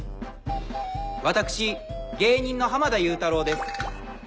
私芸人の濱田祐太郎です。